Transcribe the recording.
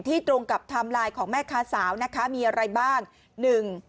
ตรงกับไทม์ไลน์ของแม่ค้าสาวนะคะมีอะไรบ้างหนึ่ง